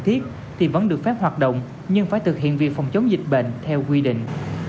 thì vẫn được phép hoạt động nhưng phải thực hiện việc phòng chống dịch bệnh theo quy định